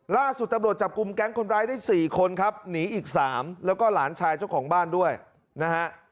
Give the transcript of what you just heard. ล่าสุดตำรวจจับกลุ่มแก๊งคนร้ายได้๔คนครับหนีอีก๓แล้วก็หลานชายเจ้าของบ้านด้วยนะฮะ